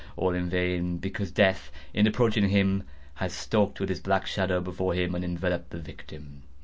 All in vain; because Death, in approaching him had stalked with his black shadow before him, and enveloped the victim.